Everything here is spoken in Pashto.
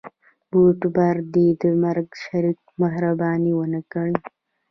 یوټوبر دې د مرکه شریک مهرباني ونه ګڼي.